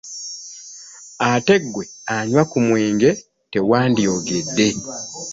Ate ggwe anywa ku mwenge tewandiyogedde.